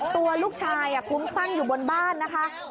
ตัวลูกชายคุ้มคลั่งอยู่บนบ้านนะคะ